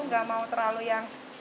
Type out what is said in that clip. gak mau terlalu yang